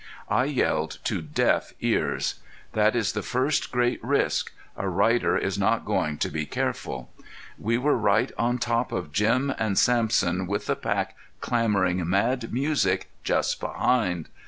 I yelled to deaf ears. That is the first great risk a rider is not going to be careful! We were right on top of Jim and Sampson with the pack clamoring mad music just behind.